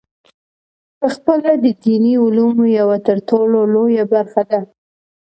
پخپله د دیني علومو یوه ترټولو لویه برخه ده.